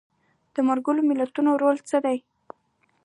د ملګرو ملتونو رول څه دی؟